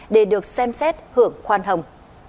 để được xem xét hưởng khoan hồng